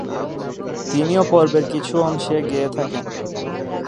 তিনিও পর্বের কিছু অংশ গেয়ে থাকেন।